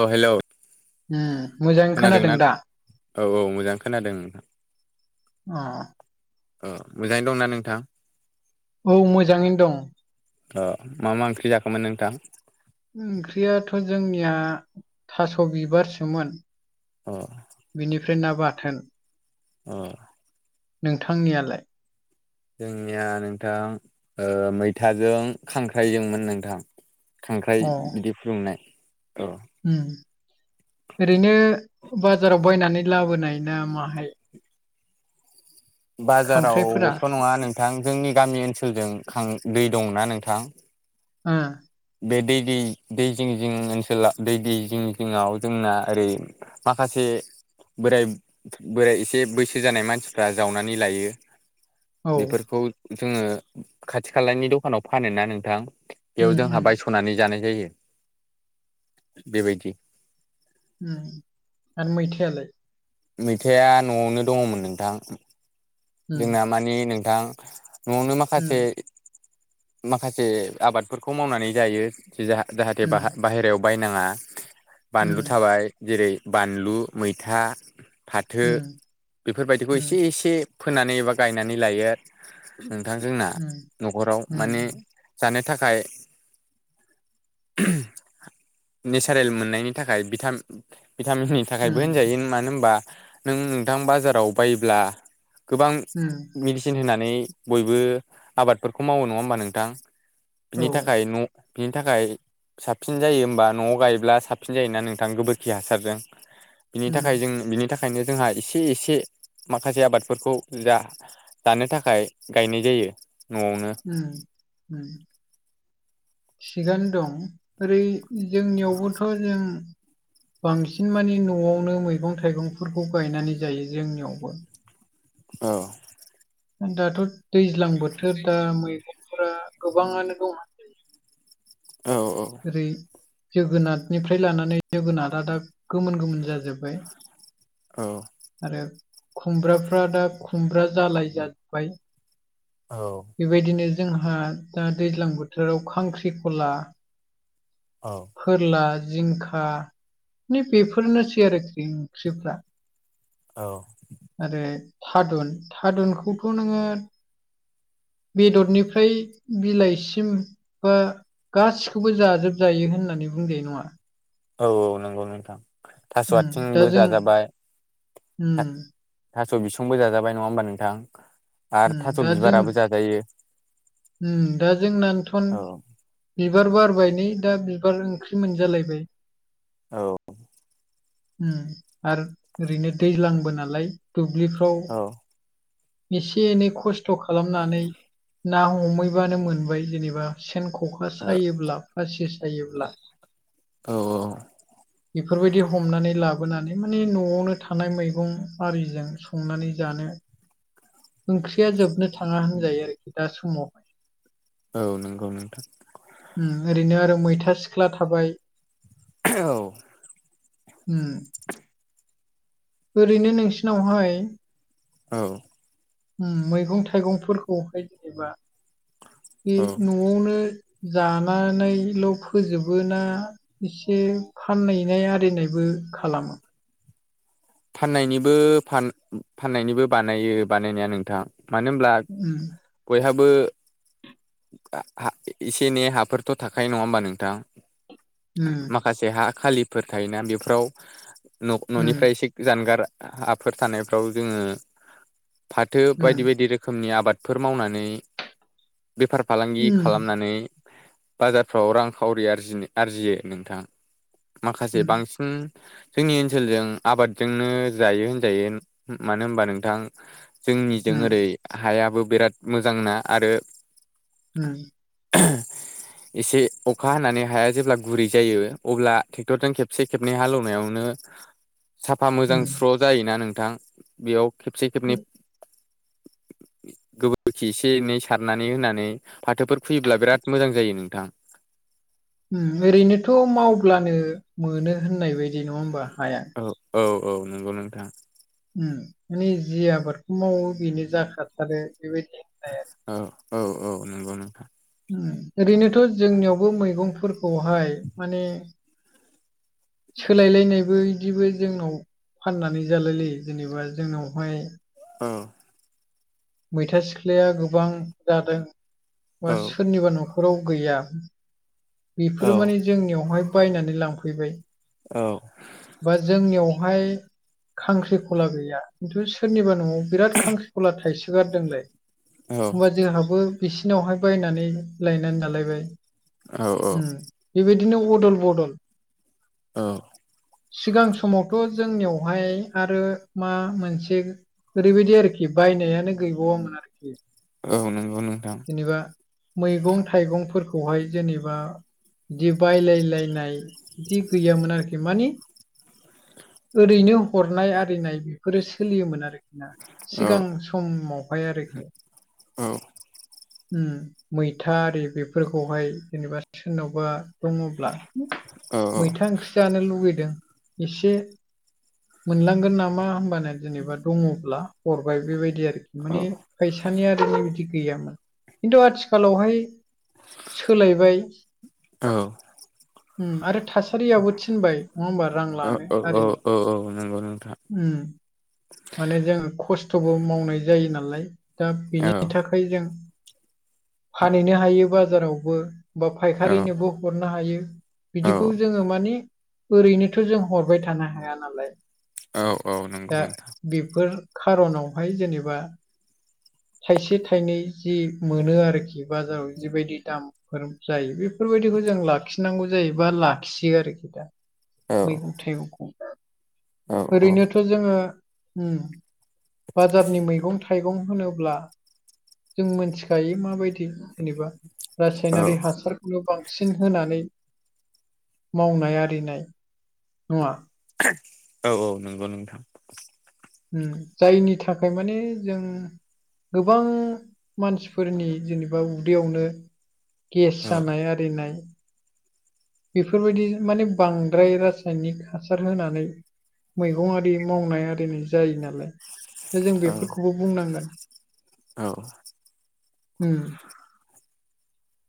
औ हेल' उम मोजाङै खोनादों ना दा औ औ मोजां खोनादों नोंथां अ अ मोजाङै दंना नोंथां औ मोजाङैनो दं अ मा मा ओंख्रि जाखोमोन नोंथां ओंख्रियाथ' जोंनिया थास' बिबारसोमोन अ बिनिफ्राय ना बाथोन अ नोंथांनियालाय जोंनिया नोंथां मैथाजों खांख्राइजोंमोन नोंथां खांख्राइ अ बिदै फुदुंनाय औ उम ओरैनो बाजाराव बायनानै लाबोनाय ना माहाय खांख्राइफोरा बाजारावथ' नङा नोंथां जोंनि गामि ओनसोलजों दै दंना नोंथां उम बे दै दै जिं जिं ओनसोलाव दै दै जिं जिङआव जोंना ओरै माखासे बोराय बोराय एसे बैसो जानाय मानसिफ्रा जावनानै लायो औ बेफोरखौ जोङो खाथि खालानि दखानाव फानोना नोंथां बेयाव उम जोंहा उम बायस'नानै जानाय जायो बेबायदि उम आरो मैथायालाय मैथाया न'आवनो दङमोन नोंथां उम जोंना मानि नोंथां न'आवनो उम माखासे माखासे आबादफोरखौ मावनानै जायो जाहाथे उम बाहेरायाव बायनाङा बानलु उम थाबाय जेरै बानलु मैथा फाथो उम बेफोरबायदिखौ उम एसे एसे फोनानै एबा गायनानै लायो नोंथां जोंना उम न'खराव उम माने जानो थाखाय नेचारेल मोननायनि थाखाय भिटामिननि थाखायबो उम होनजायो मानो होनबा नों नोंथां बाजाराव बायोब्ला गोबां उम मेडिसिन होनानै बयबो आबादफोरखौ मावो नङा होमबा नोंथां औ बिनि थाखाय न' नि थाखाय साबसिन जायो होमबा न'आव गायोब्ला साबसिन जायोना नोंथां गोबोरखि हासारजों बिनि उम थाखाय जों बिनि थाखायनो जोंहा एसे एसे माखासे आबादफोरखौ जा जानो थाखाय गायनाय जायो न'आवनो [inaudible] थिगानो दं ओरै जोंनियावबोथ' जों बांसिन मानि न'आवनो मैगं थाइगंफोरखौ गायनानै जायो जोंनियावबो। औ। दाथ' दैज्लां बोथोर दा मैगंफोरा गोबाङानो दं। औ औ ओरै जोगोनारनिफ्राय लानानै जोगोनारा दा गोमोन-गोमोन जाजोबबाय। आरो खुमब्राफ्रा दा खुमब्रा जालाय जाजोबबाय। औ। बेबायदिनो जोंहा दा दैज्लां बोथोराव खांख्रिखला औ फोरला जिंखा माने बेफोरनोसै आरोखि ओंख्रिफ्रा। औ आरो थादुन थादुनखौथ' नोंङो बेदरनिफ्राय बिलाइसिम बा गासि खौबो जाजोबजायो होननानै बुंजायो नङा औ औ नंगौ नोंथां थास' आथिंबो जाजाबाय अम थास' बिसंबो जाजाबाय नङा होमबा नोंथां आरो उम थास' बिबाराबो जाजायो। अम दा जोंनानो थन औ बिबार बारबाय नै दा बिबार ओंख्रि मोनजालायबाय। औ अम आरो ओरैनो दैज्लांबो नालाय दुब्लिफो औ राव एसे एनै खस्थ' खालामनानै [inaudible] ना हमहैबानो मोनबाय जेनेबा सेन ख'खा औ सायोब्ला फासि सायोब्ला औ बेफोरबायदि हमनानै लाबोनानै माने न'आवनो थानाय मैगं आरिजों संनानै जानो ओंख्रिया जोबनो थाङा होनजायो आरोखि दा समावहाय। औ नोंगौ नोंथां। अम ओरैनो आरो मैथा सिख्ला थाबाय। औ अम [inaudible] ओरैनो नोंसिनावहाय औ अम मैगं थाइगंफोरखौहाय जेनेबा बे औ न' आवनो जानानैल' फोजोबो ना एसे फानहैनाय आरिनायबो खालाम। फाननायनिबो-फान -फाननायनिबो बानायो बानायनाया नोंथां मानो होन ब्ला उम बयहाबो एसे एनै हाफोरथ' थाखायो नङा होमबा नोंथां। उम माखासे हा खालिफोर थायोना बेफोराव उम न'-न'निफ्राय एसे जानगार हाफोर थानायफ्राव जोंङो फाथो उम बायदि-बायदि रो खोमनि आबादफोर बेफार फालांगि उम खालामनानै बाजारफ्राव रांखावरि आरजिनो-आरजियो नोंथां माखासे उम बांसिन जोंनि ओनसोलजों आबादजोंनो जायो होनजायो मानो होनबा नोंथां जोंनिजों उम ओरै हायाबो बिराद मोजांना आरो अम एसे अखा हानानै हाया जेब्ला गुरै जायो अब्ला ट्रेक्टरजों खेबसे खेबनै हालेवनायावनो साफा मोजां स्र' उम जायोना नोंथां बेयाव खेबसे खेबनै गोबोरखि एसे एनै सारनानै होनानै फाथोफोर खुयोब्ला बिराद मोजां जायो नोंथां। ओरैनोथ' मावब्लानो मोनो होननाय बायदि नङा होमबा हाया। औ औ औ नंगौ नोंथां उम माने जि आबादखौ मावो बेनो जाखाथारो बेबायदि औ औ औ नंगौ नोंथां ओरैनोथ' जोंनियावबो मैगंफोरखौहाय माने सोलायलायनायबो बिदिबो जोंनाव फाननानै जालाय लायो जेनेबा जोंनावहाय औ मैथा सिख्लाया गोबां जादों बा औ सोरनिबा न'खराव गैया औ बेफोर माने जोंनियावहाय बायनानै लांफैबाय औ बा जोंनियावहाय खांख्रिखला गैया खिन्थु सोरनिबा न'आव बिराद खांख्रिखला थाइसोगारदोंलाय होमबा औ जोंहाबो बिसिनावहाय बायनानै लायनानै लाालायबाय औ उम बेबायदिनो अदल बदल औ सिगां समावथ' जोंनियावहाय आरो मा मोनसे ओरैबायदि आरोखि बायनायानो गैबावामोन आरोखि औ नंगौ नोंथां जेनेबा मैगं थायगंफोरखौहाय जेनेबा बिदि बायलायलायनाय जि गैयामोन माने ओरैनो हरनाय आरिनाय बेफोरो सोलियोमोन आरोखि ना औ सिगां समावहाय आरोखि औ उम मैथा आरि बेफोरखौहाय जेनेबा सोरनावबा दङब्ला औ मैथा ओंख्रि जानो लुबैदों एसे मोनलांगोन नामा होनबानो जेनेबा दङब्ला हरबाय बेबायदि आरोखि माने औ फैसानि आरो बेबायदि गैयामोन खिन्थु आथिखालावहाय सोलायबाय औ उम आरो थासारियाबो थिनबाय नङा होमबा रां लानो औ आररिनो औ औ नंगौ नोंथां उम माने जों खस्थ'बो मावनाय जायो नालाय दा बिनि औ थाख फ्राय जों फानहैनो हायो बाजारावबो बा औ फायखारिनोबो हरनो हायो औ बिदिखौ जोङो माने ओरैनोथ' जों हरबाय थानो हाया नालाय औ औ नंगौ दा नोंथां बेफोर खार'नावहाय जेनेबा थाइसे थाइनै जि मोनो आरोखि बाजाराव जिबायदि दाम फोर जायो बेफोरबायदिखौ जों लाखिनांगौ जायोबा लाखियो आरोखि दा औ मैगं थाइगंखौ औ औ ओरैनोथ' जोङो उम बाजारनि मैगं थाइगं होनोब्ला जों मोनथिखायो माबायदि जेनेबा रासायनारि औ हासार खौनो बांसिन होनानै मावनाय आरिनाय नङा औ औ नंगौ नोंथां जायनि थाखाय माने जों गोबां मानसिफोरनि जेनेबा उदैयावनो गेस औ जानाय आरिनाय बेफोरबायदि माने बांद्राय रासायनिक हासार होनानै मैगं आरि मावनाय आरिनि जायो नालाय दा जों बेफोरखौबो बुंनांगोन औ ओम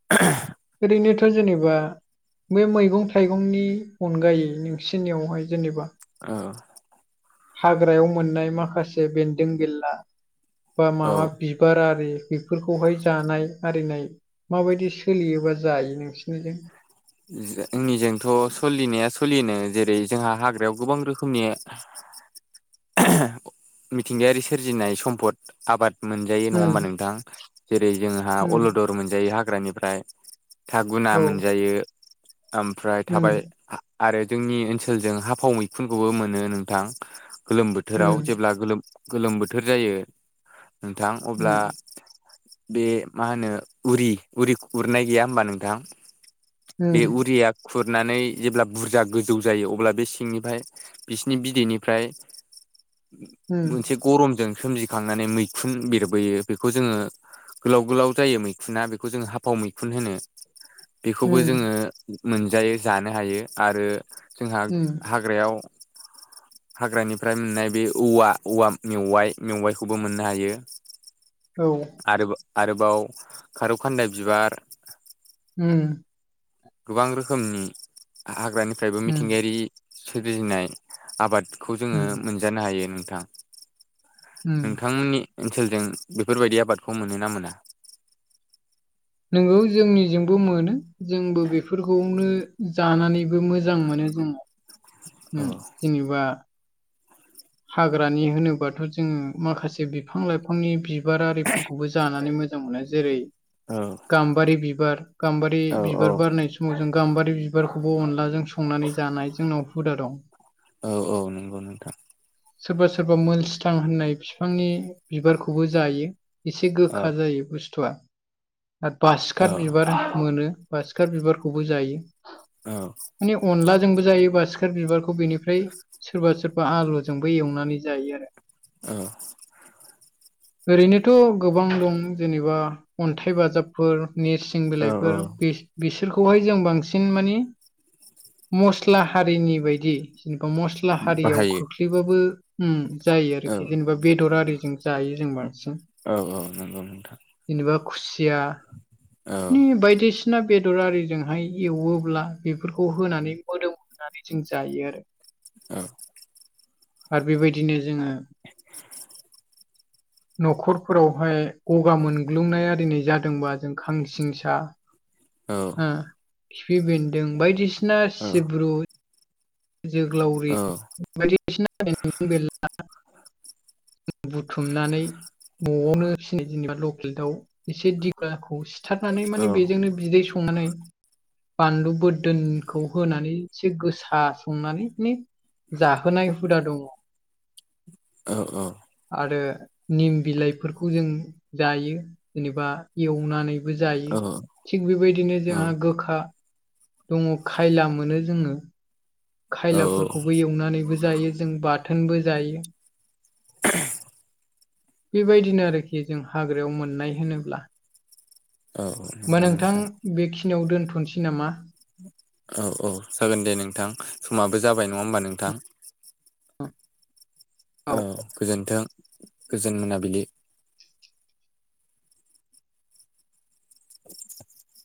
[unintelligible] ओरैनोथ' जेनेबा बे मैगं थाइगंनि अनगायै नोंसिनियावहाय जेनेबा औ हाग्रायाव मोननाय माखासे बेन्दों बेनला बा औ माबा बि बिबार आरि बेफोरखौहाय जानाय आरिनाय माबायदि सोलियोबा जायो नोंसोरनिजों? जोंनिजोंथ' सोलिनाया सोलिनो जेरै जोंहा हाग्रायाव गोबां रोखोमनि [inaudible] मिथिंगायारि सोरजिनाय सम्पद आबाद मोनजायो नङा उम होमबा नोंथां जेरै जोंहा उम अलद मोनजायो हाग्रानिफ्राय थागुना औ मोनजायो। ओमफ्राय उम थाबाय आरो जोंनि ओनसोलजों हाफाव मैखुनखौबो मोनो नोंथां‌। गोलोम उम बोथोराव जेब्ला गोलोम गोलोम बोथोर जायो नोंथां अब्ला उम बे मा होनो उरि उरि उरनाय गैया होमबा नोंथां? उम बे उरिया खुरनानै जेब्ला बुरजा गोजौ जायो अब्ला बे सिंनिफ्राय बिसिनि बिदैनिफ्राय उम मोनसे गरमजों सोमजिखांनानै मैखुन बिरबोयो बेखौ जोङो गोलाव गोलाव जायो मैखुना बेखौ जों हाफाव मैखुन होनो। बेखौबो उम जोङो मोनजायो जानो हायो आरो जोंहा उम हा हाग्रायाव हाग्रानिफ्राय मोननाय बे औवा औवा मेवाइ मेवाइखौबो मोननो हायो। औ आरो आरोबाव खारौ खान्दाय बिबार उम गोबां रोखोमनि हाग्रानिफ्रायबो उम मिथिंगायारि सोरजिनाय आबाद खौ जोङो उम मोनजानो हायो नोंथां उम नोंथांमोननि ओनसोलजों बेफोरबायदि आबादखौ मोनोना मोना? नंगौ जोंनिजोंबो मोनो जोंबो बेफोरखौनो जानानैबो मोजां मोनो जोङो। औ जेनेबा हाग्रानि होनोबाथ' जोङो माखासे बिफां लाइफांनि बिबार आरिफोरखौबो जानानै मोजां मोनो जेरै औ गाम्बारि बिबार गाम्बारि औ बिबार बारनायसम समाव जों गाम्बारि बिबारखौबो संनानै जानाय जोंनाव उदा दं औ औ नंगौ नोंथां। सोरबा सोरबा मल सिथां होननाय बिफांनि बिबारखौबो जायो। एसे औ गोखा जायो बुस्थुआ आरो बासिखा औ बिबार मोनो बासिखार बिबारखौबो जायो औ माने अनला जोंबो जायो बासिखार बिबारखौ बेनिफ्राय सोरबा सोरबा आलुजोंबो एवनानै जायो आरो ओ ओरैनोथ' गोबां दं जेनेबा अन्थाइ बाजाबफोर निस नोरसिं औ औ बिलाइफोर बिस बिसोरखौहाय जों बांसिन माने मस्ला हारिनि बायदि जेनेबा मस्ला हारियाव बाहायो खोख्लैबाबो उम जायो औ आरोखि जेनेबा बेदर आरिजों जायो जों बांसिन औ औ नंगौ नोंथां। जेनेबा खुसिया औ बायदिसि बायदिसिना बेदर आरिजोंहाय एवोब्ला बेफोरखौ होनानै मोदोम होनानै जों जायो आरो औ आरो बेबायदिनो जोङो न'खरफोरावहाय गगा मोनग्लुंनायआरिनि जादोंबा जों खांसिंसा औ ओ खिफि बेन्दों बायदिसिना औ सिब्रु जोगलावरि औ बायदिसिना बेन्दों बेनला बुथुमनानै न'आवनो जेनेबा लकेल दाउ एसे देखुराखौ सि थारनानै माने बेजोंनो बिदै सं संनानै बानलु बोरदोनखौ होनानै एसे गोसा संनानै नै जाहोनाय हुदा दङ। औ औ आरो निम बिलाइफोरखौ जों जायो जेनेबा एवनानै। नंगौ जायो थिग बेबायदिनो जोंहा गोखा दङ खायला मोनो जोङो। खायलाफोरखौबो एवनानैबो जायो जों बाथोनबो जायो। बेबायदिनो आरोखि जों हाग्रायाव मोननाय होनोब्ला। होमबा नोंथां बेखिनियाव दोनथनसै नामा? औ औ जागोन दे नोंथां समाबो जाबाय नङा होमबा नोंथां। औ गोजोन्थों गोजोन मोनाबिलि। [inaudible]